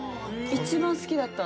一番好きだった。